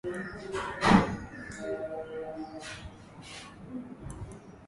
chini ya ushirika wa nchi za maziwa makuu ushirikiano wa baina ya nchi